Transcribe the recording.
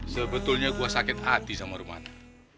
sebetulnya gua sakit hati sama romana